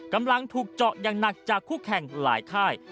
กำลังถูกเจาะอย่างหนักจากคู่แข่งหลายค่าย